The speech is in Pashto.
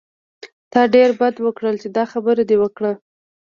تا ډېر بد وکړل چې دا خبره دې وکړه.